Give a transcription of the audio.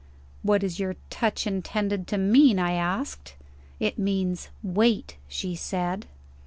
"What is your touch intended to mean?" I asked. "It means, 'Wait,' she said."